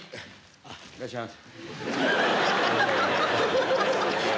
あっいらっしゃいませ。